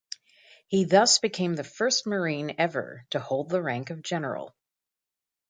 He thus became the first Marine ever to hold the rank of General.